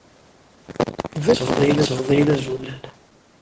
Iban kan tḥesbed-iyi d azulal.